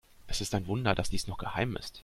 Es ist ein Wunder, dass dies noch geheim ist.